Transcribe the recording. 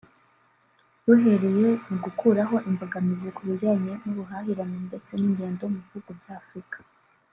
ruhereye mu gukuraho imbogamizi ku bijyanye n’ubuhahirane ndetse n’ingendo mu bihugu bya Afurika